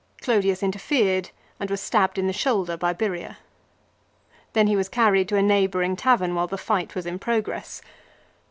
Clodius interfered and was stabbed in the shoulder by Birria. Then he was carried to a neighbouring tavern while the fight was in progress.